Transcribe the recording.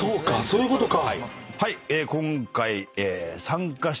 そういうことか。